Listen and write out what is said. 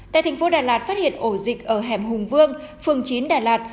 tại thành phố đà lạt phát hiện ổ dịch ở hẻm hùng vương phường chín đà lạt